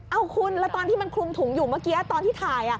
เอาคุณแล้วตอนที่มันคลุมถุงอยู่เมื่อกี้ตอนที่ถ่าย